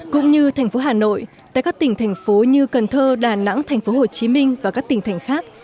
cũng như thành phố hà nội tại các tỉnh thành phố như cần thơ đà nẵng thành phố hồ chí minh và các tỉnh thành khác